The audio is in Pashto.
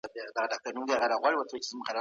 پنځمه نېټه د هستي تلویزیون له زکریا نایبي سره په